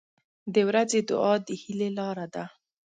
• د ورځې دعا د هیلې لاره ده.